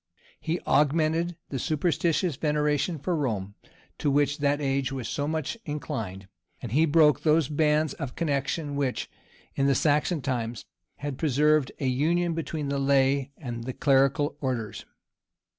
He augmented the superstitious veneration for Rome, to which that age was so much inclined, and he broke those bands of connection which, in the Saxon times, had preserved a union between the lay and the clerical orders.